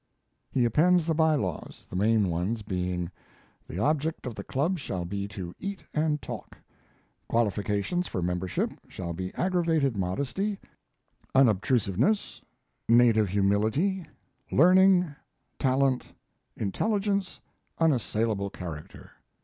He appends the by laws, the main ones being: The object of the club shall be to eat and talk. Qualification for membership shall be aggravated modesty, unobtrusiveness, native humility, learning, talent, intelligence, unassailable character.